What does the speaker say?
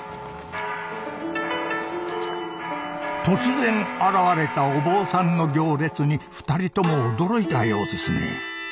突然現れたお坊さんの行列に２人とも驚いたようですね。